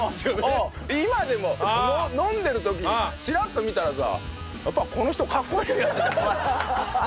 今でも飲んでる時チラッと見たらさやっぱこの人かっこいいなって。